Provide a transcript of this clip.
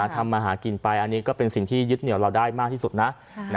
ทำมาหากินไปอันนี้ก็เป็นสิ่งที่ยึดเหนียวเราได้มากที่สุดนะ